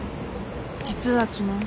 実は昨日。